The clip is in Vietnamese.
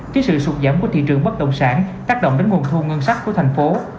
trước sự sụt giảm của thị trường bất động sản tác động đến nguồn thu ngân sách của thành phố